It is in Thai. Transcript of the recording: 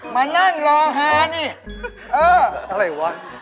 มานั่งรอฮานี่เอออะไรวะ